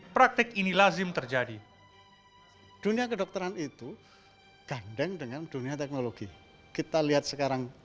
praktik ini lazim terjadi dunia kedokteran itu gandeng dengan dunia teknologi kita lihat sekarang